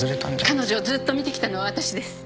彼女をずっと診てきたのは私です。